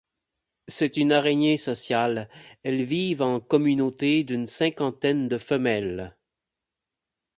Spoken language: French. C'est une araignée sociale, elles vivent en communauté d'une cinquantaine de femelles.